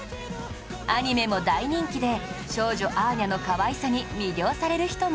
アニメも大人気で少女アーニャのかわいさに魅了される人も多いようです